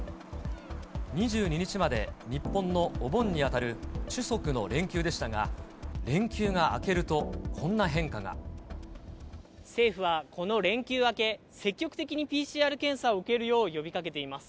２２日まで日本のお盆に当たるチュソクの連休でしたが、連休が明政府はこの連休明け、積極的にＰＣＲ検査を受けるよう呼びかけています。